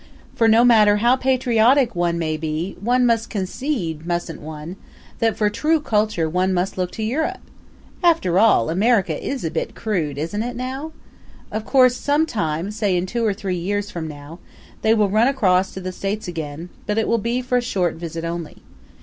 For, no matter how patriotic one may be, one must concede mustn't one? that for true culture one must look to Europe? After all, America is a bit crude, isn't it, now? Of course some time, say in two or three years from now, they will run across to the States again, but it will be for a short visit only.